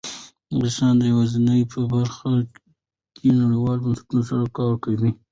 افغانستان د یورانیم په برخه کې نړیوالو بنسټونو سره کار کوي.